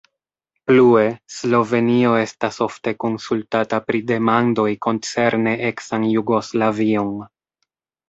Plue, Slovenio estas ofte konsultata pri demandoj koncerne eksan Jugoslavion.